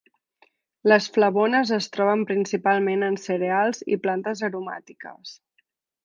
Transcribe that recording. Les flavones es troben principalment en cereals i plantes aromàtiques.